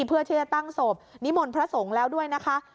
เพื่อที่จะตั้งศพนิมนต์พระสงฆ์แล้วด้วยนะคะ